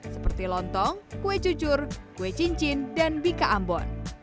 seperti lontong kue jujur kue cincin dan bika ambon